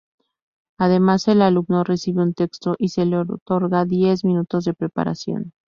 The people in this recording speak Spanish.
Además, el alumno recibe un texto y se le otorgan diez minutos de preparación.